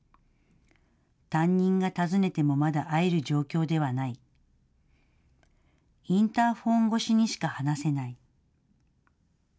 担任が訪ねてもまだ会える状況ではない、インターホン越しにしか話せない。